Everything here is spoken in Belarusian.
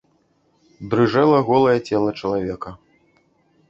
Дрыжэла голае цела чалавека.